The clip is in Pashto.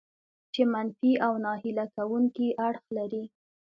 چې منفي او ناهیله کوونکي اړخ لري.